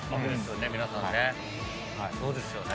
そうですよね。